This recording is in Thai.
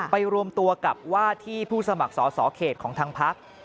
รวมตัวกับว่าที่ผู้สมัครสอสอเขตของทางพัก